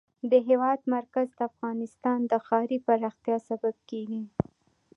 د هېواد مرکز د افغانستان د ښاري پراختیا سبب کېږي.